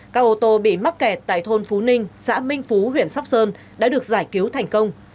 các ô tô bị mắc kẹt tại thôn phú ninh xã minh phú huyện sóc sơn đã được giải cứu thành công